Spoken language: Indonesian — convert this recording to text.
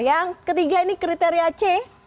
yang ketiga ini kriteria c